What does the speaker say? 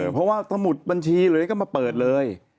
เพราะว่าถ้าหมุดบัญชีหรืออะไรก็มาเปิดเลย